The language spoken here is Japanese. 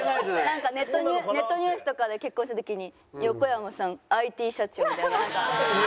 なんかネットニュースとかで結婚した時に「横山さんＩＴ社長」みたいななんか。